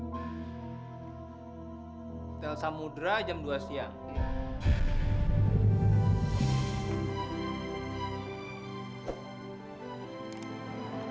hotel samudera jam dua siang